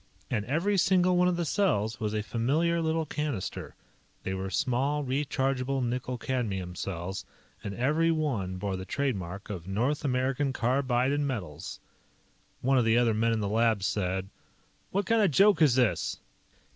And every single one of the cells was a familiar little cannister. They were small, rechargeable nickel cadmium cells, and every one bore the trademark of North American Carbide & Metals! One of the other men in the lab said: "What kind of a joke is this?"